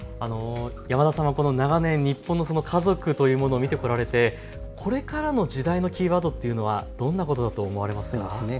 山田さんは長年、日本の家族というものを見てこられてこれからの時代のキーワードっていうのはどんなことだと思われますか。